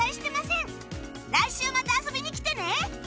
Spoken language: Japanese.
来週また遊びに来てね！